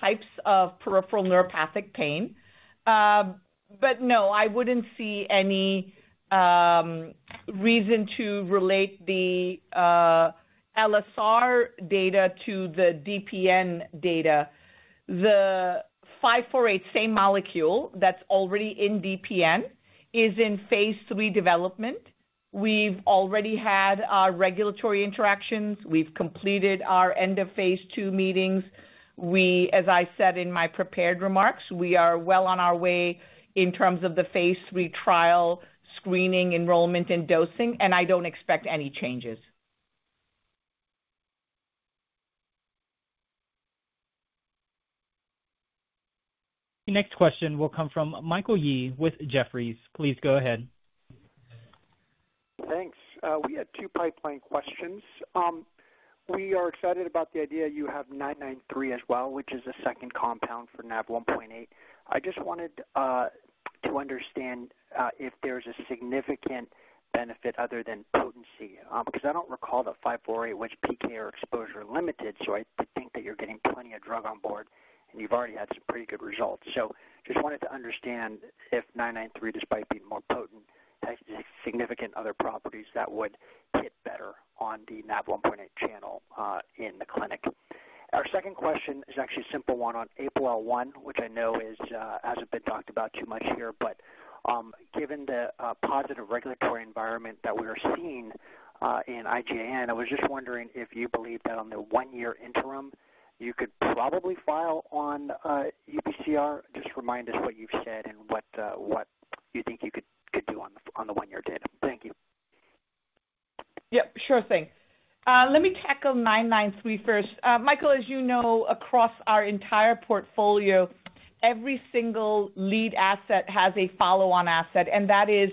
types of peripheral neuropathic pain, but no, I wouldn't see any reason to relate the LSR data to the DPN data. The 548, same molecule that's already in DPN, is in Phase 3 development. We've already had our regulatory interactions. We've completed our end of Phase 2 meetings. As I said in my prepared remarks, we are well on our way in terms of the Phase 3 trial screening, enrollment, and dosing, and I don't expect any changes. The next question will come from Michael Yee with Jefferies. Please go ahead. Thanks. We had two pipeline questions. We are excited about the idea you have 993 as well, which is a second compound for NaV1.8. I just wanted to understand if there's a significant benefit other than potency because I don't recall the 548 was PK exposure limited, so I did think that you're getting plenty of drug on board, and you've already had some pretty good results. So just wanted to understand if 993, despite being more potent, has significant other properties that would hit better on the NaV1.8 channel in the clinic. Our second question is actually a simple one on APOL1, which I know hasn't been talked about too much here, but given the positive regulatory environment that we are seeing in IgAN, I was just wondering if you believe that on the one-year interim, you could probably file on UPCR. Just remind us what you've said and what you think you could do on the one-year data. Thank you. Yep. Sure thing. Let me tackle 993 first. Michael, as you know, across our entire portfolio, every single lead asset has a follow-on asset, and that is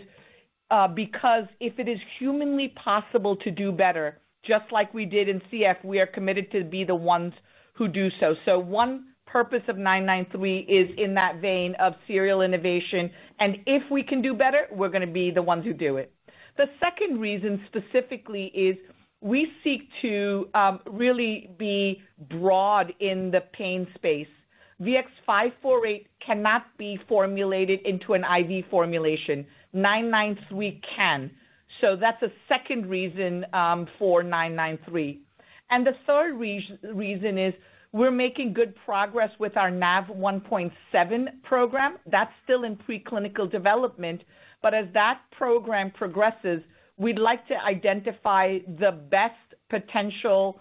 because if it is humanly possible to do better, just like we did in CF, we are committed to be the ones who do so. So one purpose of VX-993 is in that vein of serial innovation, and if we can do better, we're going to be the ones who do it. The second reason specifically is we seek to really be broad in the pain space. VX-548 cannot be formulated into an IV formulation. VX-993 can. So that's a second reason for VX-993. And the third reason is we're making good progress with our NaV1.7 program. That's still in preclinical development, but as that program progresses, we'd like to identify the best potential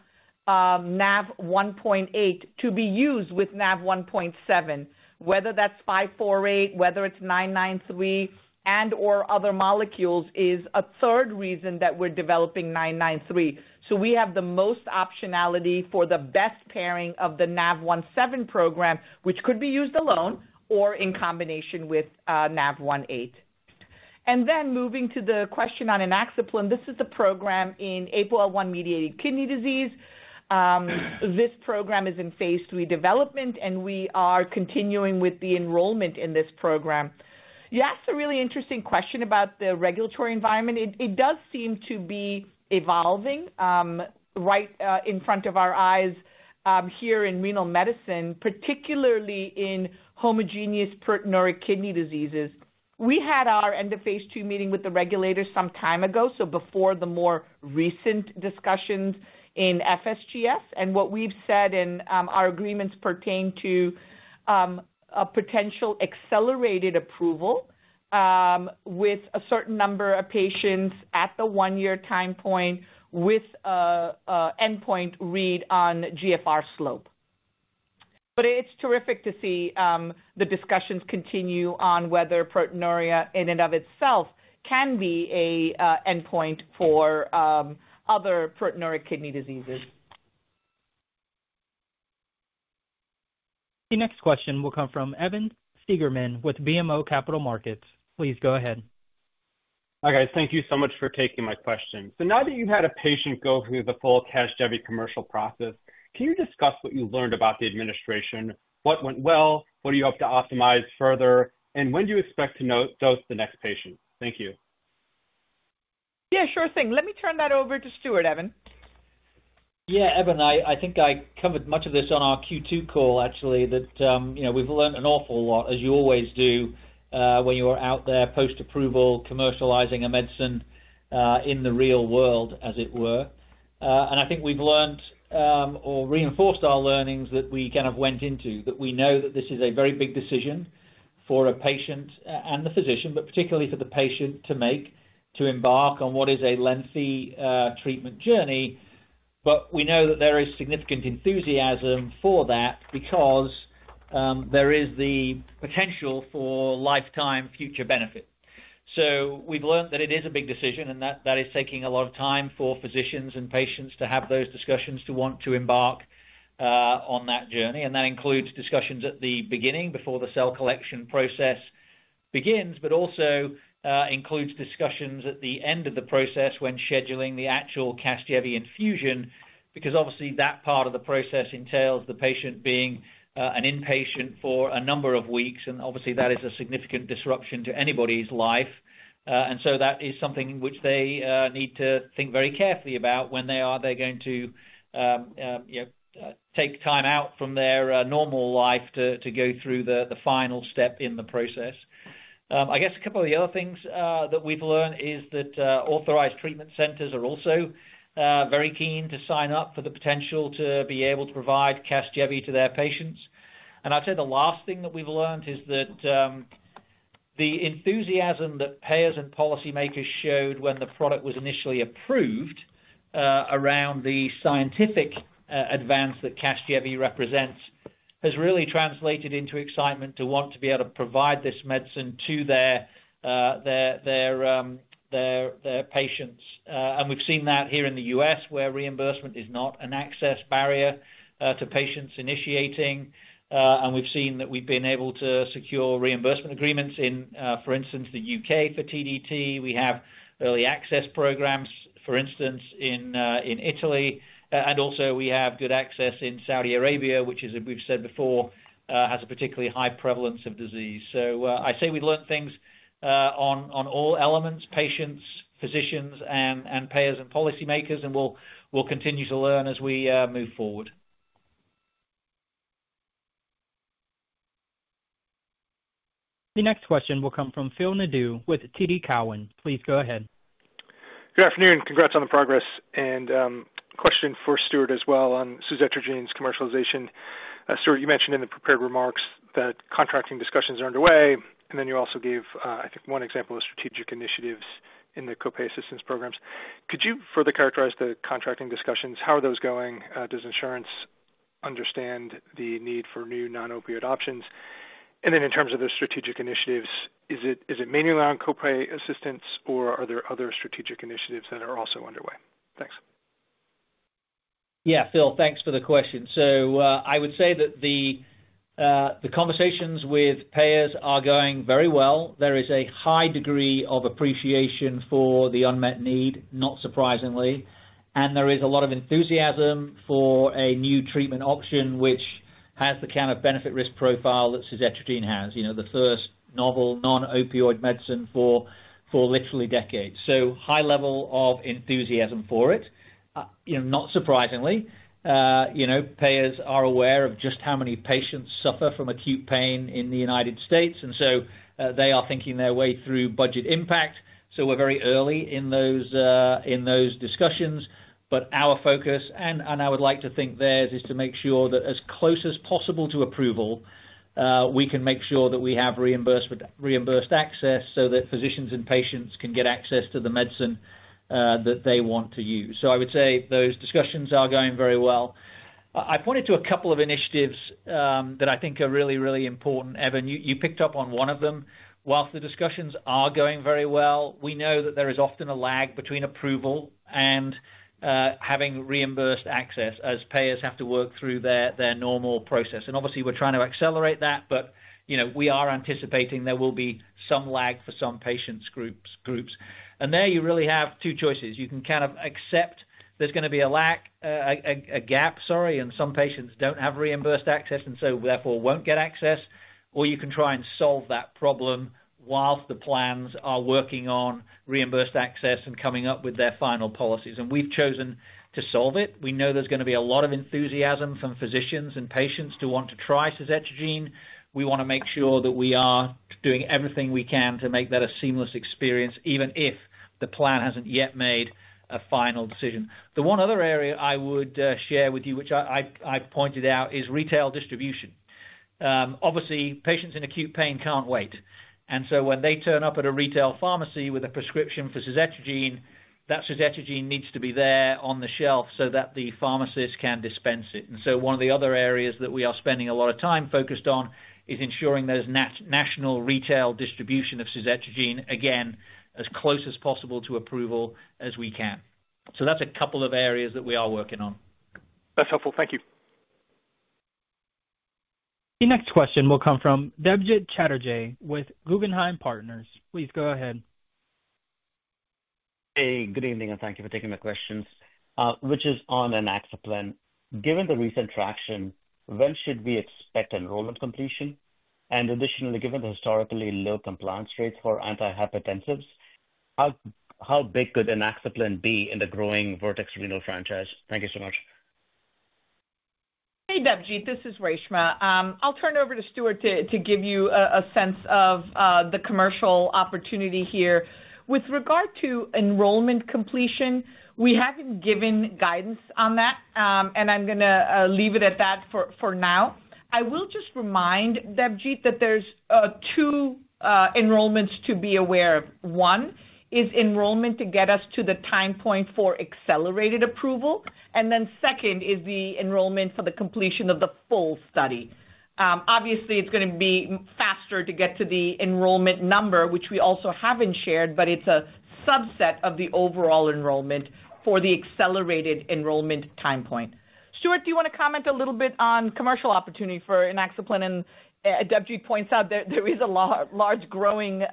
NaV1.8 to be used with NaV1.7. Whether that's 548, whether it's 993, and/or other molecules is a third reason that we're developing 993. So we have the most optionality for the best pairing of the NaV1.7 program, which could be used alone or in combination with NaV1.8. And then moving to the question on inaxaplin, this is the program in APOL1-mediated kidney disease. This program is in Phase 3 development, and we are continuing with the enrollment in this program. You asked a really interesting question about the regulatory environment. It does seem to be evolving right in front of our eyes here in renal medicine, particularly in homogeneous proteinuric kidney diseases. We had our end of Phase 2 meeting with the regulator some time ago, so before the more recent discussions in FSGS. And what we've said in our agreements pertain to a potential accelerated approval with a certain number of patients at the one-year time point with an endpoint read on GFR slope. But it's terrific to see the discussions continue on whether proteinuria in and of itself can be an endpoint for other proteinuric kidney diseases. The next question will come from Evan Seigerman with BMO Capital Markets. Please go ahead. Hi, guys. Thank you so much for taking my question. So now that you've had a patient go through the full Casgevy commercial process, can you discuss what you learned about the administration, what went well, what do you hope to optimize further, and when do you expect to dose the next patient? Thank you. Yeah. Sure thing. Let me turn that over to Stuart, Evan. Yeah. Evan, I think I covered much of this on our Q2 call, actually, that we've learned an awful lot, as you always do, when you are out there post-approval commercializing a medicine in the real world, as it were, and I think we've learned or reinforced our learnings that we kind of went into, that we know that this is a very big decision for a patient and the physician, but particularly for the patient to make, to embark on what is a lengthy treatment journey, but we know that there is significant enthusiasm for that because there is the potential for lifetime future benefit, so we've learned that it is a big decision, and that is taking a lot of time for physicians and patients to have those discussions to want to embark on that journey. And that includes discussions at the beginning before the cell collection process begins, but also includes discussions at the end of the process when scheduling the actual Casgevy infusion because, obviously, that part of the process entails the patient being an inpatient for a number of weeks, and obviously, that is a significant disruption to anybody's life. And so that is something which they need to think very carefully about when they're going to take time out from their normal life to go through the final step in the process. I guess a couple of the other things that we've learned is that authorized treatment centers are also very keen to sign up for the potential to be able to provide Casgevy to their patients. I'd say the last thing that we've learned is that the enthusiasm that payers and policymakers showed when the product was initially approved around the scientific advance that Casgevy represents has really translated into excitement to want to be able to provide this medicine to their patients. We've seen that here in the U.S. where reimbursement is not an access barrier to patients initiating, and we've seen that we've been able to secure reimbursement agreements in, for instance, the U.K. for TDT. We have early access programs, for instance, in Italy, and also we have good access in Saudi Arabia, which, as we've said before, has a particularly high prevalence of disease. I say we've learned things on all elements: patients, physicians, and payers and policymakers, and we'll continue to learn as we move forward. The next question will come from Phil Nadeau with TD Cowen. Please go ahead. Good afternoon. Congrats on the progress. And question for Stuart as well on suzetrigine's commercialization. Stuart, you mentioned in the prepared remarks that contracting discussions are underway, and then you also gave, I think, one example of strategic initiatives in the copay assistance programs. Could you further characterize the contracting discussions? How are those going? Does insurance understand the need for new non-opioid options? And then in terms of the strategic initiatives, is it mainly around copay assistance, or are there other strategic initiatives that are also underway? Thanks. Yeah. Phil, thanks for the question. So I would say that the conversations with payers are going very well. There is a high degree of appreciation for the unmet need, not surprisingly, and there is a lot of enthusiasm for a new treatment option which has the kind of benefit-risk profile that suzetrigine has, the first novel non-opioid medicine for literally decades. High level of enthusiasm for it, not surprisingly. Payers are aware of just how many patients suffer from acute pain in the United States, and so they are thinking their way through budget impact. We're very early in those discussions, but our focus, and I would like to think theirs, is to make sure that as close as possible to approval, we can make sure that we have reimbursed access so that physicians and patients can get access to the medicine that they want to use. I would say those discussions are going very well. I pointed to a couple of initiatives that I think are really, really important. Evan, you picked up on one of them. While the discussions are going very well, we know that there is often a lag between approval and having reimbursed access as payers have to work through their normal process. And obviously, we're trying to accelerate that, but we are anticipating there will be some lag for some patients' groups. And there you really have two choices. You can kind of accept there's going to be a gap, sorry, and some patients don't have reimbursed access and so therefore won't get access, or you can try and solve that problem while the plans are working on reimbursed access and coming up with their final policies. And we've chosen to solve it. We know there's going to be a lot of enthusiasm from physicians and patients to want to try suzetrigine. We want to make sure that we are doing everything we can to make that a seamless experience even if the plan hasn't yet made a final decision. The one other area I would share with you, which I pointed out, is retail distribution. Obviously, patients in acute pain can't wait. And so when they turn up at a retail pharmacy with a prescription for suzetrigine, that suzetrigine needs to be there on the shelf so that the pharmacist can dispense it. And so one of the other areas that we are spending a lot of time focused on is ensuring there's national retail distribution of suzetrigine, again, as close as possible to approval as we can. So that's a couple of areas that we are working on. That's helpful. Thank you. The next question will come from Debjit Chattopadhyay with Guggenheim Securities. Please go ahead. Hey. Good evening, and thank you for taking my questions. Which is on inaxaplin. Given the recent traction, when should we expect enrollment completion? And additionally, given the historically low compliance rates for antihypertensives, how big could inaxaplin be in the growing Vertex renal franchise? Thank you so much. Hey, Debjit. This is Reshma. I'll turn it over to Stuart to give you a sense of the commercial opportunity here. With regard to enrollment completion, we haven't given guidance on that, and I'm going to leave it at that for now. I will just remind Debjit that there's two enrollments to be aware of. One is enrollment to get us to the time point for accelerated approval, and then second is the enrollment for the completion of the full study. Obviously, it's going to be faster to get to the enrollment number, which we also haven't shared, but it's a subset of the overall enrollment for the accelerated enrollment time point. Stuart, do you want to comment a little bit on commercial opportunity for inaxaplin? And Debjit points out there is a large growing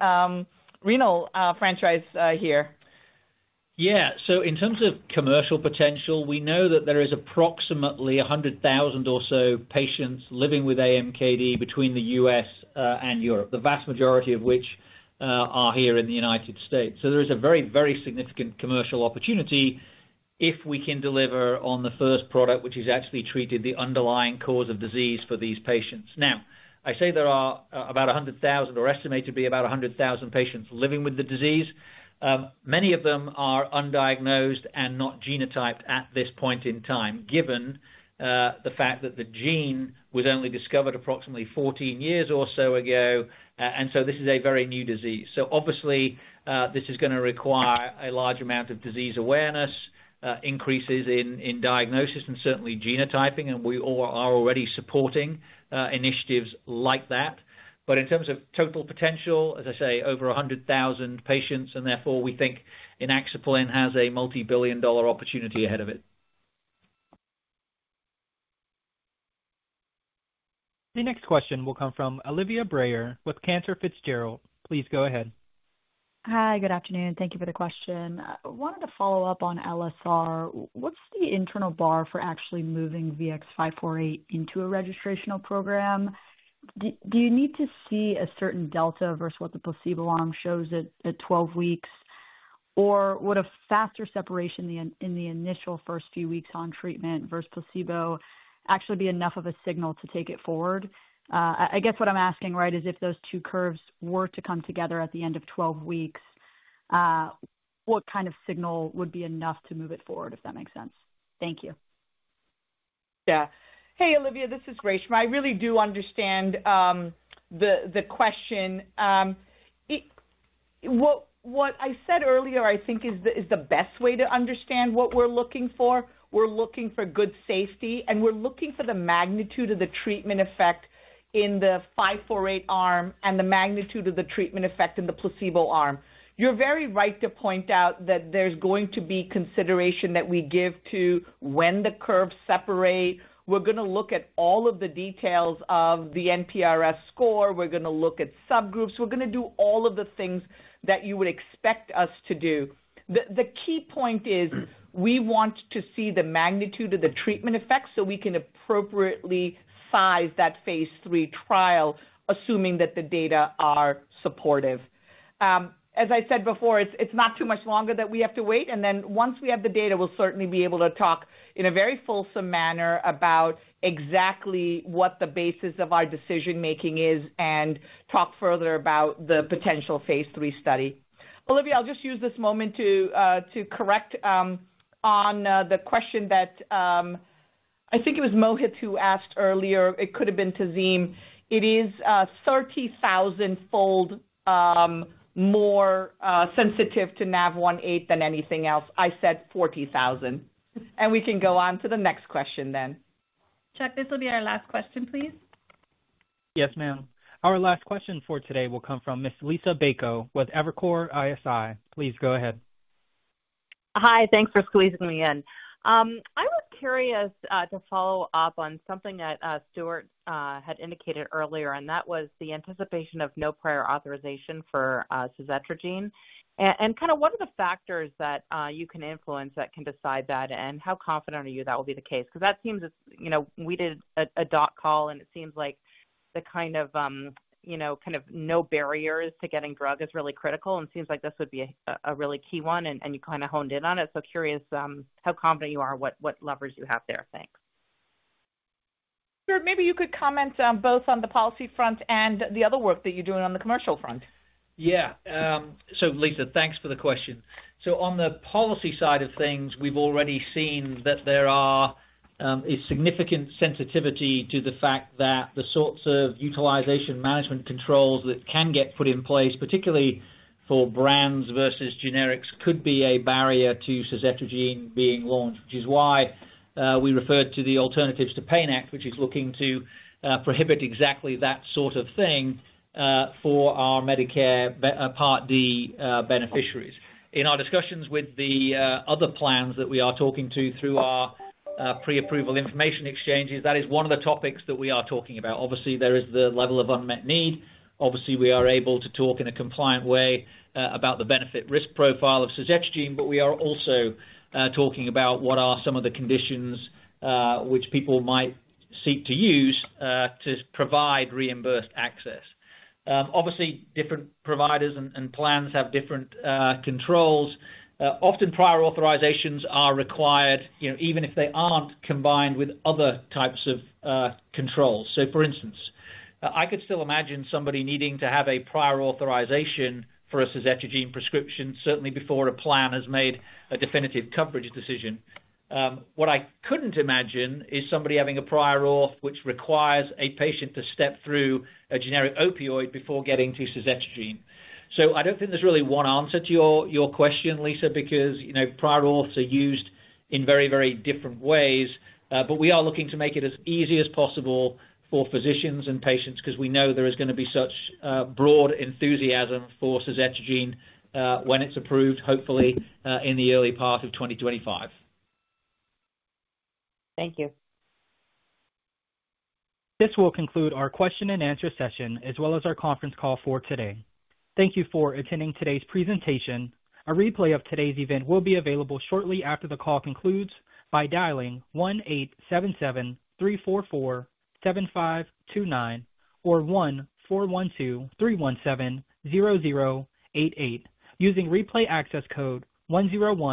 renal franchise here. Yeah. So in terms of commercial potential, we know that there is approximately 100,000 or so patients living with AMKD between the U.S. and Europe, the vast majority of which are here in the United States. So there is a very, very significant commercial opportunity if we can deliver on the first product, which is actually treating the underlying cause of disease for these patients. Now, I say there are about 100,000 or estimated to be about 100,000 patients living with the disease. Many of them are undiagnosed and not genotyped at this point in time, given the fact that the gene was only discovered approximately 14 years or so ago, and so this is a very new disease. So obviously, this is going to require a large amount of disease awareness, increases in diagnosis, and certainly genotyping, and we are already supporting initiatives like that. But in terms of total potential, as I say, over 100,000 patients, and therefore we think inaxaplin has a multi-billion dollar opportunity ahead of it. The next question will come from Olivia Brayer with Cantor Fitzgerald. Please go ahead. Hi. Good afternoon. Thank you for the question. I wanted to follow up on LSR. What's the internal bar for actually moving VX-548 into a registrational program? Do you need to see a certain delta versus what the placebo arm shows at 12 weeks, or would a faster separation in the initial first few weeks on treatment versus placebo actually be enough of a signal to take it forward? I guess what I'm asking, right, is if those two curves were to come together at the end of 12 weeks, what kind of signal would be enough to move it forward, if that makes sense? Thank you. Yeah. Hey, Olivia, this is Reshma. I really do understand the question. What I said earlier, I think, is the best way to understand what we're looking for. We're looking for good safety, and we're looking for the magnitude of the treatment effect in the 548 arm and the magnitude of the treatment effect in the placebo arm. You're very right to point out that there's going to be consideration that we give to when the curves separate. We're going to look at all of the details of the NPRS score. We're going to look at subgroups. We're going to do all of the things that you would expect us to do. The key point is we want to see the magnitude of the treatment effect so we can appropriately size that Phase 3 trial, assuming that the data are supportive. As I said before, it's not too much longer that we have to wait, and then once we have the data, we'll certainly be able to talk in a very fulsome manner about exactly what the basis of our decision-making is and talk further about the potential Phase 3 study. Olivia, I'll just use this moment to correct on the question that I think it was Mohit who asked earlier. It could have been Tazeen. It is 30,000-fold more sensitive to NaV1.8 than anything else. I said 40,000. We can go on to the next question then. Chuck, this will be our last question, please. Yes, ma'am. Our last question for today will come from Ms. Liisa Bayko with Evercore ISI. Please go ahead. Hi. Thanks for squeezing me in. I was curious to follow up on something that Stuart had indicated earlier, and that was the anticipation of no prior authorization for suzetrigine. Kind of what are the factors that you can influence that can decide that, and how confident are you that will be the case? Because that seems, we did a Q4 call, and it seems like the kind of no barriers to getting the drug is really critical, and it seems like this would be a really key one, and you kind of honed in on it. So curious how confident you are, what levers you have there. Thanks. Stuart, maybe you could comment both on the policy front and the other work that you're doing on the commercial front. Yeah. So Lisa, thanks for the question. So on the policy side of things, we've already seen that there is significant sensitivity to the fact that the sorts of utilization management controls that can get put in place, particularly for brands versus generics, could be a barrier to suzetrigine being launched, which is why we referred to the Alternatives to Pain Act, which is looking to prohibit exactly that sort of thing for our Medicare Part D beneficiaries. In our discussions with the other plans that we are talking to through our pre-approval information exchanges, that is one of the topics that we are talking about. Obviously, there is the level of unmet need. Obviously, we are able to talk in a compliant way about the benefit-risk profile of suzetrigine, but we are also talking about what are some of the conditions which people might seek to use to provide reimbursed access. Obviously, different providers and plans have different controls. Often prior authorizations are required, even if they aren't combined with other types of controls. So for instance, I could still imagine somebody needing to have a prior authorization for a suzetrigine prescription, certainly before a plan has made a definitive coverage decision. What I couldn't imagine is somebody having a prior auth which requires a patient to step through a generic opioid before getting to suzetrigine. So I don't think there's really one answer to your question, Lisa, because prior auths are used in very, very different ways, but we are looking to make it as easy as possible for physicians and patients because we know there is going to be such broad enthusiasm for suzetrigine when it's approved, hopefully in the early part of 2025. Thank you. This will conclude our question-and-answer session as well as our conference call for today. Thank you for attending today's presentation. A replay of today's event will be available shortly after the call concludes by dialing 1-877-344-7529 or 1-412-317-0088 using replay access code 101.